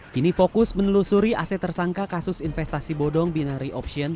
kini fokus menelusuri aset tersangka kasus investasi bodong binari option